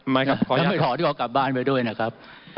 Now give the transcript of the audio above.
ไม่ท้อนก็เอากลับบ้านไปด้วยนะครับ